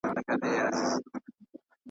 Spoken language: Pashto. ستا د خندا سرود شروع دئ زه خاموش ولاړ یم